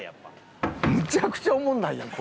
むちゃくちゃおもんないやんこいつ。